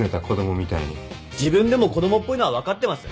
自分でも子供っぽいのは分かってます。